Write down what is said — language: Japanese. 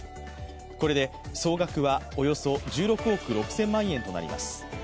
これで総額はおよそ１６億６０００万円となります。